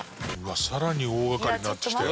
更に大掛かりになってきたよ。